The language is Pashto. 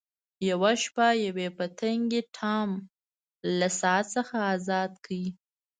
یوه شپه یوې پتنګې ټام له ساعت څخه ازاد کړ.